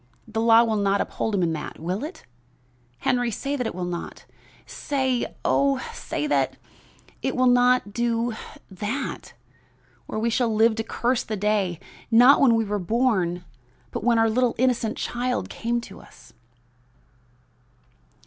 The law will not uphold him in that; will it, Henry? Say that it will not, say oh, say that it will not do that, or we shall live to curse the day, not when we were born; but when our little innocent child came to us!"